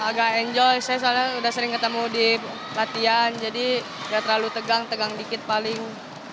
agak enjoy saya soalnya udah sering ketemu di latihan jadi ya terlalu tegang tegang dikit paling